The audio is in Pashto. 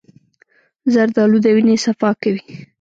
زردالو د وینې صفا کوي.